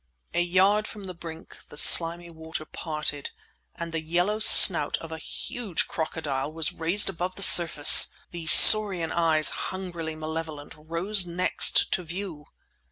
A yard from the brink the slimy water parted, and the yellow snout of a huge crocodile was raised above the surface! The saurian eyes, hungrily malevolent, rose next to view!